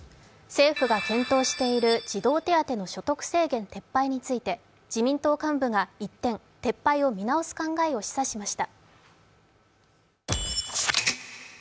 政府が検討している児童手当の所得制限撤廃について自民党幹部が一転、撤廃を見直す考えを示唆しました。